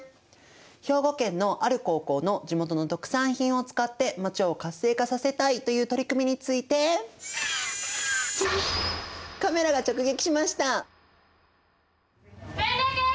兵庫県のある高校の地元の特産品を使ってまちを活性化させたいという取り組みについてカメラが直撃しました！